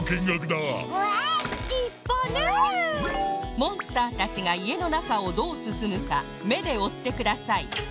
モンスターたちがいえのなかをどうすすむかめでおってください